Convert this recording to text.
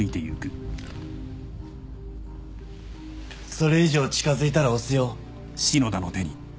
それ以上近づいたら押すよ。